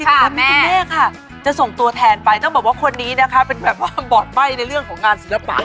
คุณแม่ค่ะจะส่งตัวแทนไปต้องบอกว่าคนนี้นะคะเป็นแบบว่าบอร์ดใบ้ในเรื่องของงานศิลปะ